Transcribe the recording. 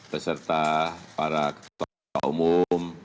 beserta para ketua umum